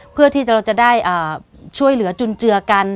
เพื่อที่เราจะได้ช่วยเหลือจุนเจือกัน